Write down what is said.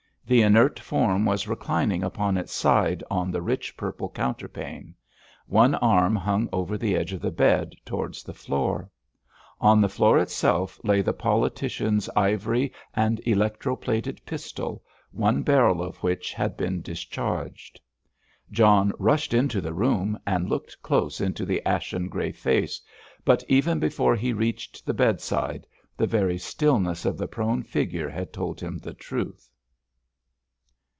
The inert form was reclining upon its side on the rich purple counterpane. One arm hung over the edge of the bed towards the floor. On the floor itself lay the politician's ivory and electro plated pistol, one barrel of which had been discharged. John rushed into the room and looked close into the ashen grey face, but even before he reached the bedside, the very stillness of the prone figure had told him the truth.